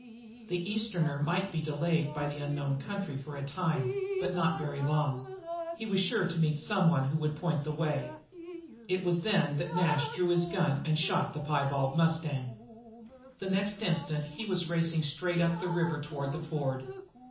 The Easterner might be delayed by the unknown country for a time, but not very long. He was sure to meet someone who would point the way. It was then that Nash drew his gun and shot down the piebald mustang. The next instant he was racing straight up the river toward the ford.